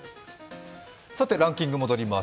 ランキングに戻ります。